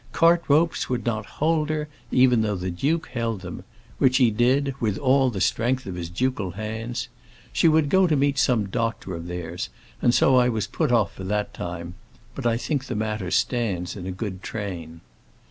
Cart ropes would not hold her, even though the duke held them; which he did, with all the strength of his ducal hands. She would go to meet some doctor of theirs, and so I was put off for that time; but I think that the matter stands in a good train.